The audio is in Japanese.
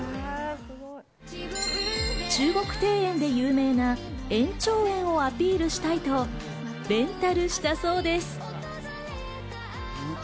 中国庭園で有名な燕趙園をアピールしたいとレンタルしたそうです。